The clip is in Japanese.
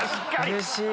うれしい！